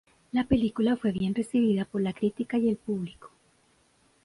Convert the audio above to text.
La película fue bien recibida por la crítica y el público.